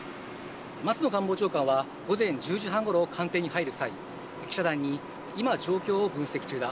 松野官房長官は午前１０時半ごろ、官邸に入る際、記者団に今、状況を分析中だ。